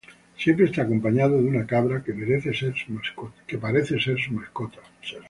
Siempre está acompañado de una cabra que parece ser su mascota.